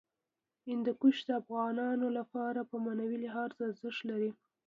هندوکش د افغانانو لپاره په معنوي لحاظ ارزښت لري.